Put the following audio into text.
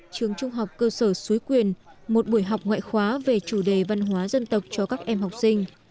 trường trung học cơ sở suối quyền một buổi học ngoại khóa về chủ đề văn hóa dân tộc cho các em học sinh